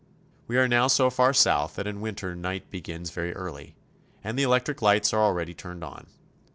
We are now so far south that in winter night begins very early, and the electric lights are already turned on.